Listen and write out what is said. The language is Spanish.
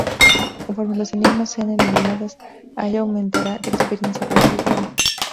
Conforme los enemigos sean eliminados, Aya aumentará de experiencia para subir nivel.